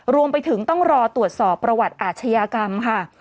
รวมไปถึงต้องรอตรวจสอบประวัติอาชญากรรมค่ะ